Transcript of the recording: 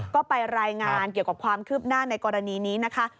ก็ไปรายงานเกี่ยวกับความคืบหน้าในกรณีนี้นะคะ